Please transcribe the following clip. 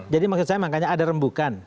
jadi maksud saya makanya ada rembukan